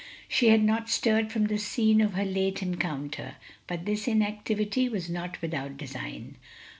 She had not stirred from the scene of her late encounter, but this inactivity was not without design.